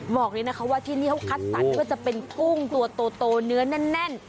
บอกเลยนะคะว่าที่นี่เขาคัดสรรไม่ว่าจะเป็นกุ้งตัวโตเนื้อแน่น